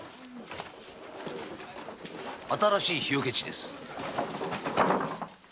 新しい火除け地です。